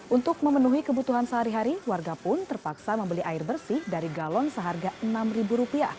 untuk memenuhi kebutuhan sehari hari warga pun terpaksa membeli air bersih dari galon seharga rp enam